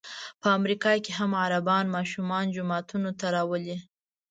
په امریکا کې هم عربان ماشومان جوماتونو ته راولي.